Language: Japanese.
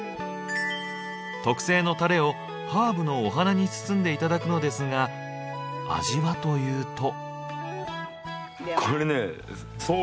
特製のタレをハーブのお花に包んで頂くのですが味はというと。